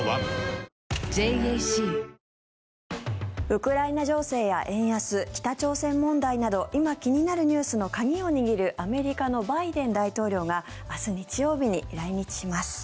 ウクライナ情勢や円安北朝鮮問題など今、気になるニュースの鍵を握るアメリカのバイデン大統領が明日日曜日に来日します。